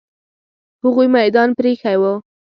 هغوی میدان پرې ایښی وو.